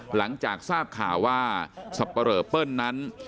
หลังจากทราบข่าวว่าสับปะเหลอเปิ้ลนั้น